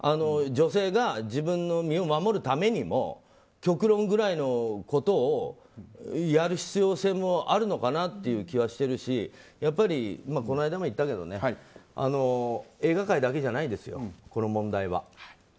女性が自分の身を守るためにも極論ぐらいのことをやる必要性もあるのかなっていう気はしてるしこの間も言ったけど映画界だけじゃないですよ